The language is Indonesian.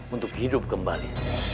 untuk hidup kembali